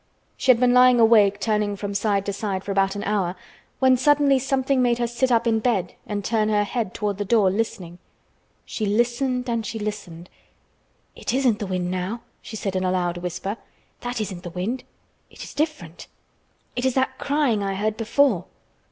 She had been lying awake turning from side to side for about an hour, when suddenly something made her sit up in bed and turn her head toward the door listening. She listened and she listened. "It isn't the wind now," she said in a loud whisper. "That isn't the wind. It is different. It is that crying I heard before."